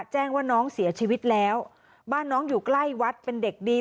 แจ้งว่าน้องเสียชีวิตแล้วบ้านน้องอยู่ใกล้วัดเป็นเด็กดี